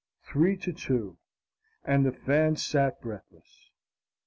three to two, and the fans sat breathless.